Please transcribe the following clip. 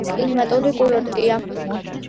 პატარა ცემი მთის კლიმატური კურორტია.